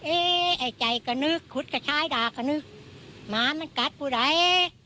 เอ่ยไอ้ใจกะนึกขุดกะชายด่ากะนึกหมามันกัดปุ๊ดไหล